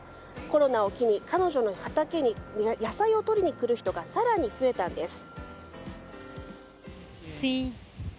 コロナを機に、彼女の畑に野菜を取りに来る人が更に増えたんです。